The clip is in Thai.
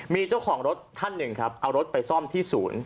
มีเจ้าของรถท่านหนึ่งครับเอารถไปซ่อมที่ศูนย์